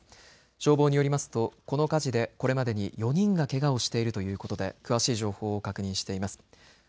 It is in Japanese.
消防によりますとこの火事でこれまでに４人がけがをしているということで詳しい情報を確認しています。